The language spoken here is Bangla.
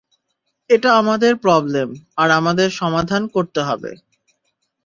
এটা আমাদের প্রবলেম আর আমাদের সমাধান করতে হবে।